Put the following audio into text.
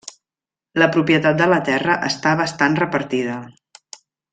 La propietat de la terra està bastant repartida.